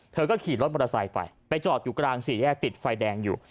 เธอก็ขี่รถมอเตอร์ไซค์ไปไปจอดอยู่กลางสี่แยกติดไฟแดงอยู่